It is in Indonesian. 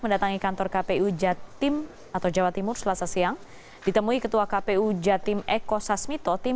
selasa siang menemui kpu provinsi jawa timur untuk menyampaikan